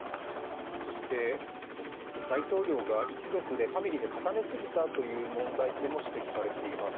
大統領が一族で、ファミリーで固めすぎたという問題点も指摘されています。